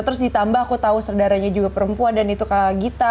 terus ditambah aku tahu saudaranya juga perempuan dan itu kak gita